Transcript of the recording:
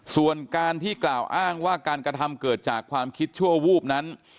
ส่วนการที่กล่าวอ้างว่าการกระทำเกิดจากความคิดชั่ววูบนั้น